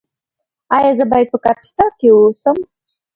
ایا زه باید په کاپیسا کې اوسم؟